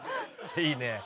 いいね。